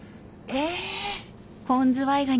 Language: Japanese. え！